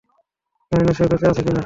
জানিনা সে বেঁচে আছে কিনা।